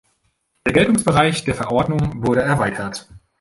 Der Geltungsbereich der Verordnung wurde erweitert.